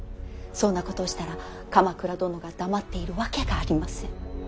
そんなことをしたら鎌倉殿が黙っているわけがありません。